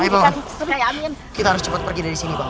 ayo pak man kita harus cepat pergi dari sini pak man